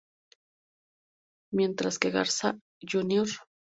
Mientras que Garza Jr.